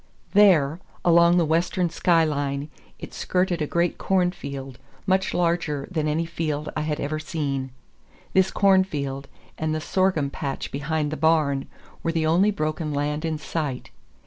There, along the western sky line, it skirted a great cornfield, much larger than any field I had ever seen. This cornfield, and the sorghum patch behind the barn, were the only broken land in sight.